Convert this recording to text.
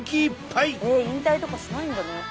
引退とかしないんだね。